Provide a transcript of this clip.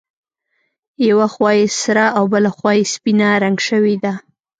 یوه خوا یې سره او بله خوا یې سپینه رنګ شوې ده.